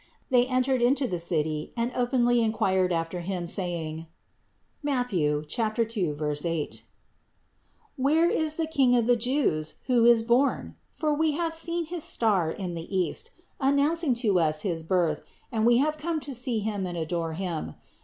They entered into the city and openly inquired after Him, saying (Matth. 2, 8) : Where is the king of the Jews, who is born? For we have seen his star in the East, announcing to us his Birth and we have come to see Him and adore Him.